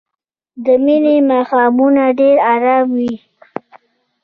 د مني ماښامونه ډېر ارام وي